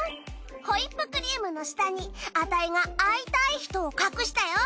ホイップクリームの下にアタイが会いたい人を隠したよ。